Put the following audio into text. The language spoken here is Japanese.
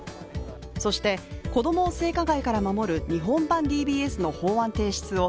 そして、子供を性加害から守る日本版ＤＢＳの法案提出を